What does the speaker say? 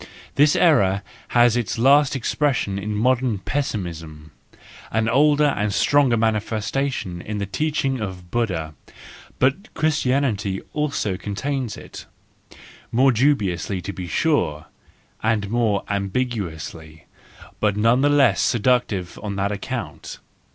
This error had its last ex¬ pression in modern Pessimism; an older and stronger manifestation in the teaching of Buddha ; but Christianity also contains it, more dubiously, to be sure, and more ambiguously, but none the less seductive on that account.